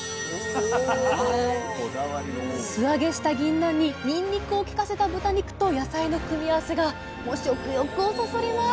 素揚げしたぎんなんににんにくをきかせた豚肉と野菜の組み合わせがもう食欲をそそります。